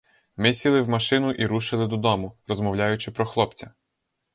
Ми сіли в машину і рушили додому, розмовляючи про хлопця.